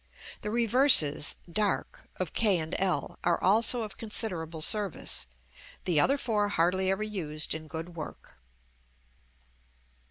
The reverses (dark) of k and l are also of considerable service; the other four hardly ever used in good work.